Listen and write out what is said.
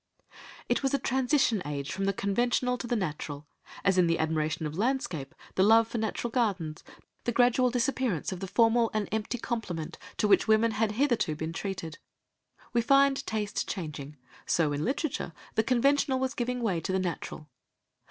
It was a transition age from the conventional to the natural; as in the admiration of landscape, the love for natural gardens, the gradual disappearance of the formal and empty compliment to which women had hitherto been treated, we find taste changing, so in literature the conventional was giving way to the natural.